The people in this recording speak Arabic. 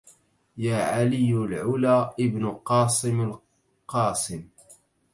يا علي العلا ابن قاسم القاسم